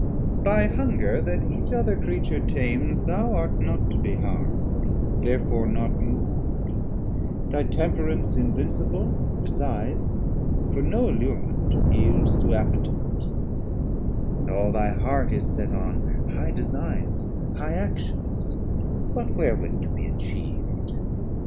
By hunger, that each other Creature tames, Thou art not to be harm'd, therefore not mov'd; Thy temperance invincible besides, For no allurement yields to appetite, And all thy heart is set on high designs, 410 High actions: but wherewith to be atchiev'd?